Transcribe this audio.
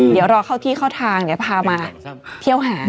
เดี๋ยวรอเข้าที่เข้าทางเดี๋ยวพามาเที่ยวหา